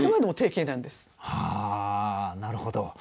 あなるほど。